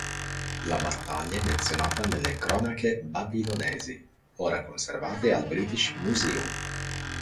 La battaglia è menzionata nelle Cronache Babilonesi, ora conservate al British Museum.